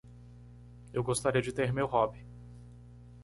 Eu gostaria de ter meu robe.